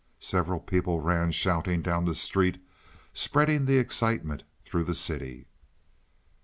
Several people ran shouting down the street, spreading the excitement through the city.